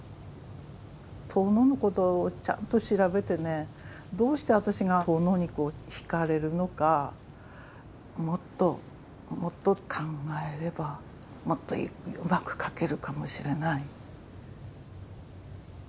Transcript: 遠野のことちゃんと調べてねどうして私が遠野に惹かれるのかもっともっと考えればもっとうまく書けるかもしれない。